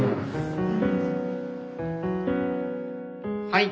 はい。